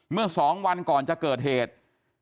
เมื่อ๒วันก่อนจะเกิดเหตุ